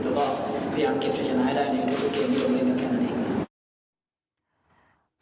แล้วก็พยายามเก็บใช้ชนะให้ได้ในทุกเกมที่ลงเล่นในแค่นั้นเอง